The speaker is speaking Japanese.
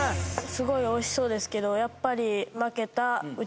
すごい美味しそうですけどやっぱり。